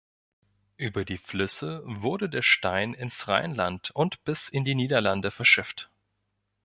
Über die Flüsse wurde der Stein ins Rheinland und bis in die Niederlande verschifft.